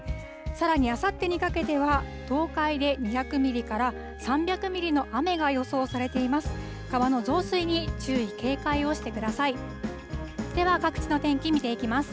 さらにあさってにかけては、東海で２００ミリから３００ミリの雨が予想されています。